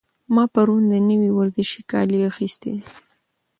ما پرون د نوي ورزشي کالي اخیستي دي.